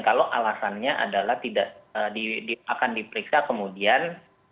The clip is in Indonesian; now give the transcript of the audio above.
kalau alasannya adalah tidak akan diperiksa kemudian